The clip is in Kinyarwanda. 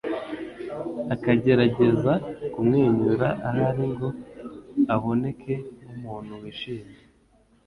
akagerageza kumwenyura ahari ngo aboneke nk'umuntu wishimye.